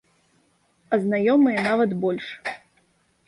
А знаёмыя нават больш.